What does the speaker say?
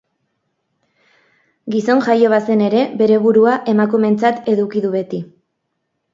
Gizon jaio bazen ere, bere burua emakumetzat eduki du beti.